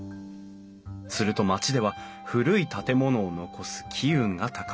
すると町では古い建物を残す機運が高まり